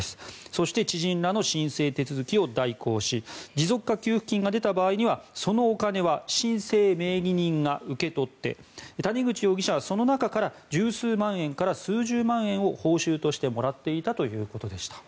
そして、知人らの申請手続きを代行し持続化給付金が出た場合にはそのお金は申請名義人が受け取って谷口容疑者はその中から１０数万円から数十万円を報酬としてもらっていたということでした。